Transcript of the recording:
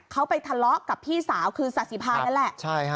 เขาไปทะเลาะกับพี่สาวคือศาสิภานั่นแหละ